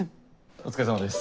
お疲れさまです。